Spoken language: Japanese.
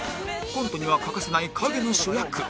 コントには欠かせない陰の主役